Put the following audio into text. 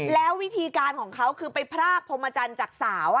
แล้ววิธีการของเขาคือไปพรากพรหมจันทร์จากสาว